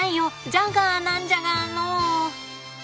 ジャガーなんじゃがのう。